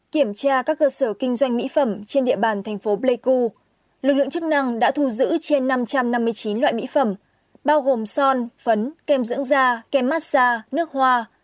kiểm tra các cơ sở kinh doanh mỹ phẩm trên địa bàn thành phố pleiku lực lượng chức năng đã thu giữ trên năm trăm năm mươi chín loại mỹ phẩm bao gồm son phấn kem dưỡng da kem massage nước hoa